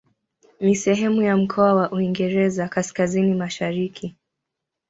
Ni sehemu ya mkoa wa Uingereza Kaskazini-Mashariki.